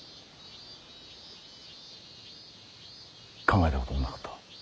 考えたこともなかった。